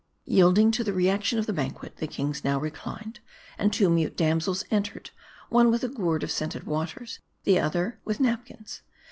Yielding to the re action of the banquet, the kings now reclined ; and two mute damsels entered : one with a gourd of scented waters ; the other with napkins.